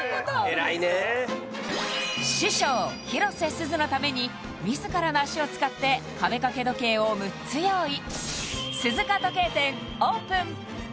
偉いねえ師匠広瀬すずのために自らの足を使って壁掛け時計を６つ用意